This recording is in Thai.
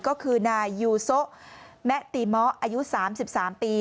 ก็คือไนยูโศะแม้ตีม้อยอายุ๓๓ปี